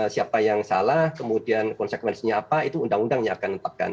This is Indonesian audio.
siapa yang salah kemudian konsekuensinya apa itu undang undangnya akan menetapkan